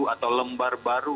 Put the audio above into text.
atau lembar baru